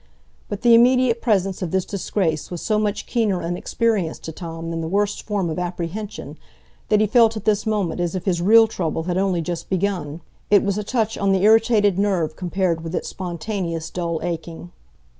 But the immediate presence of this disgrace was so much keener an experience to Tom than the worst form of apprehension, that he felt at this moment as if his real trouble had only just begun: it was a touch on the irritated nerve compared with its spontaneous dull aching.